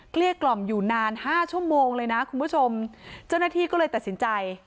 เกลี้กล่อมอยู่นานห้าชั่วโมงเลยนะคุณผู้ชมเจ้าหน้าที่ก็เลยตัดสินใจ